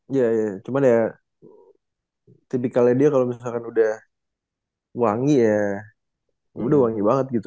iya ya cuman ya tipikalnya dia kalau misalkan udah wangi ya udah wangi banget gitu